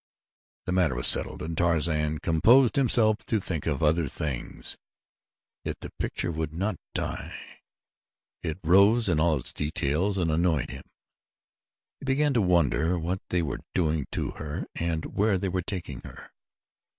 The matter was settled and Tarzan composed himself to think of other things, yet the picture would not die it rose in all its details and annoyed him. He began to wonder what they were doing to her and where they were taking her.